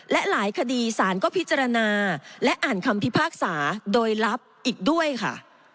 และหลายคดีสารก็พิจารณาและอ่านคำพิพากษาโดยลับอีกด้วยค่ะ